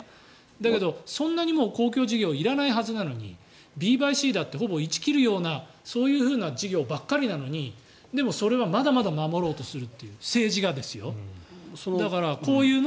だけどそんなにもう公共事業いらないはずなのにＢｂｕｙＣだってほぼ１を切るようなそういう事業ばっかりなのにでもそれはまだまだ守ろうとする。